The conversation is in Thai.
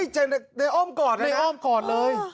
เจนเด้อ้อมกอดเลยนะ